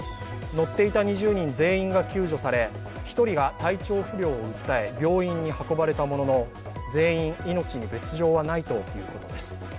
乗っていた２０人全員が救助され１人が体調不良を訴え病院に運ばれたものの、全員命に別状はないということです。